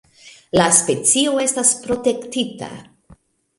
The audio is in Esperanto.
La specio estas protektita.